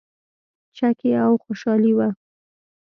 چکې او خوشحالي وه.